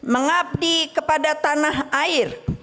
mengabdi kepada tanah air